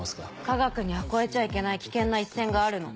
科学には越えちゃいけない危険な一線があるの。